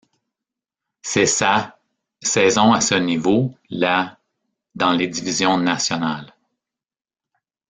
C'est sa ' saison à ce niveau, la ' dans les divisions nationales.